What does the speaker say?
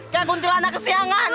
kayak kuntilanak kesiangan